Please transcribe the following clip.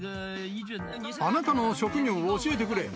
あなたの職業を教えてくれ。